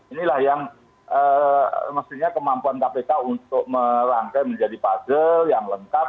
inilah yang mestinya kemampuan kpk untuk merangkai menjadi puzzle yang lengkap